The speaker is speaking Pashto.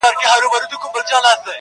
په جونګړو به شور ګډ د پښتونخوا سي!.